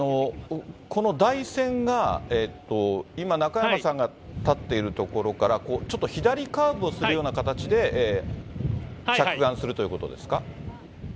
この台船が、今、中山さんが立っている所から、ちょっと左カーブをするような形で着岸するということですか？